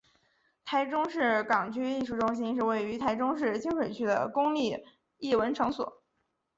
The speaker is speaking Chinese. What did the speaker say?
台中市港区艺术中心是位于台中市清水区的公立艺文场所。